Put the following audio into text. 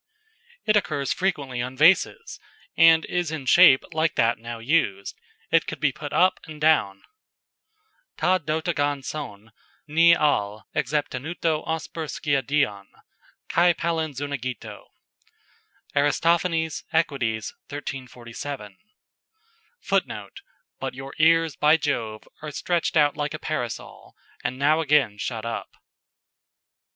"] It occurs frequently on vases, and is in shape like that now used. It could be put up and down. "ta d' ota g'an son, nae AL', exepetannuto osper skiadeion, kai palin xunaegeto." Arist. Eq., 1347. [Footnote: "But your ears, by Jove, are stretched out like a parasol, and now again shut up."